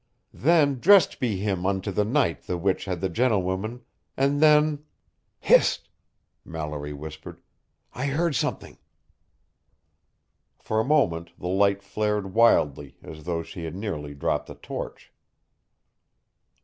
Then dressed he him unto the knight the which had the gentlewoman, and then ""Hist!" Mallory whispered. "I heard something." For a moment the light flared wildly as though she had nearly dropped the torch.